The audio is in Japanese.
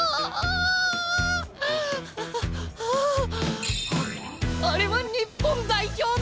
ああれは日本代表の！